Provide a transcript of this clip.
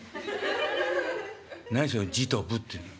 「何そのじとぶっていうの」。